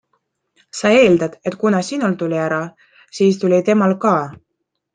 Sa eeldad, et kuna sinul tuli ära, siis tuli temal ka.